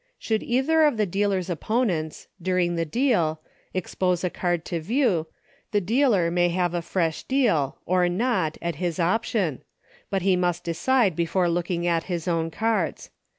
Should either of the dealer's opponents, 92 EUCHRE. during the deal, expose a card to view, the dealer may have a fresh deal, or not, at his option, but he must decide before looking at his own cards.